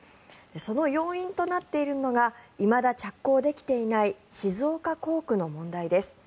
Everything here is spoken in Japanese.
その要因となっているのがいまだ着工できていない静岡工区の問題です。